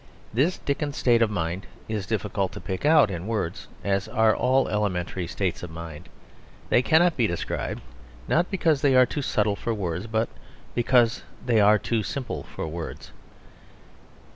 This Dickens state of mind is difficult to pick out in words as are all elementary states of mind; they cannot be described, not because they are too subtle for words, but because they are too simple for words.